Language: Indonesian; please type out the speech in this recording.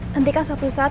nanti kan suatu saat